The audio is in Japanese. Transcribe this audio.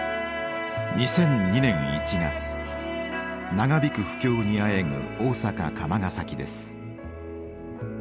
長引く不況にあえぐ大阪・釜ヶ崎です。